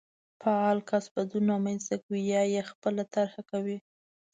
فعال کس بدلون رامنځته کوي يا يې خپله طرحه کوي.